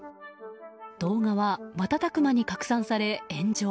動画は瞬く間に拡散され炎上。